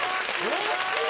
惜しい！